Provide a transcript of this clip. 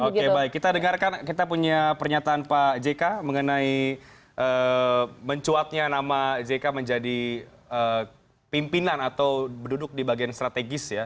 oke baik kita dengarkan kita punya pernyataan pak jk mengenai mencuatnya nama jk menjadi pimpinan atau duduk di bagian strategis ya